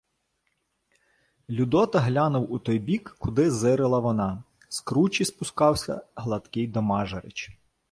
Людота глянув у той бік, куди зирила вона. З кручі спускався гладкий домажирич.